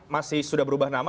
masih sudah berubah nama